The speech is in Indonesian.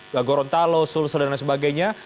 di gorontalo sulawesi dan lain sebagainya